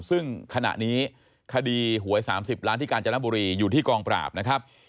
ซึ่งขณะนี้คดีหวย๓๐ล้านที่กาญจนบุรีอยู่ที่กองปราบนะครับ